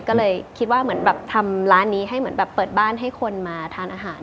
ก็เลยคิดว่าเหมือนแบบทำร้านนี้ให้เหมือนแบบเปิดบ้านให้คนมาทานอาหาร